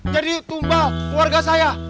jadi tumbal keluarga saya